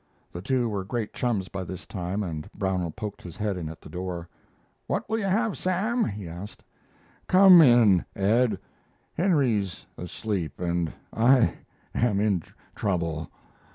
The two were great chums by this time, and Brownell poked his head in at the door. "What will you have, Sam?" he asked. "Come in, Ed; Henry's asleep, and I am in trouble.